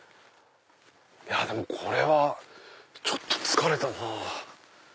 でもこれはちょっと疲れたな。